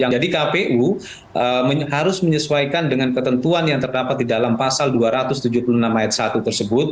jadi kpu harus menyesuaikan dengan ketentuan yang terdapat di dalam pasal dua ratus tujuh puluh enam ayat satu tersebut